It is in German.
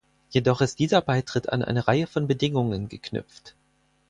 Jedoch ist dieser Beitritt an eine Reihe von Bedingungen geknüpft.